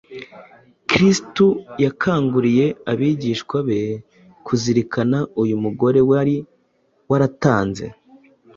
Kristo yakanguriye abigishwa be kuzirikana uyu mugore wari waratanze